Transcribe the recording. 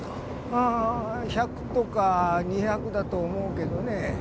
ああ１００とか２００だと思うけどね。